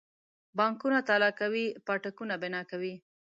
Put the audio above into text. بانکونه تالا کوي پاټکونه بنا کوي.